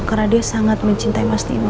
karena dia sangat mencintai mas nino